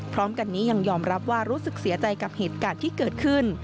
พร้อมกันนี้ยังยอมรับว่ารู้สึกเสียใจกับเหตุการณ์ที่เกิดขึ้น